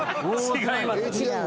違う。